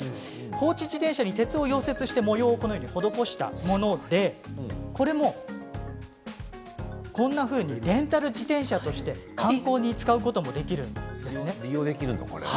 放置自転車に鉄を溶接して模様を施したものでこれもレンタル自転車として観光に使うこともできるんですね。